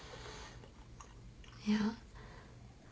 いや。